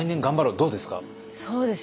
どうですか？